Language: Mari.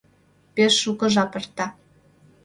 — Пеш шуко жап эрта...